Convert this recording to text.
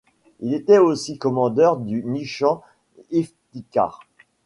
Il était aussi commandeur du Nichan Iftikhar.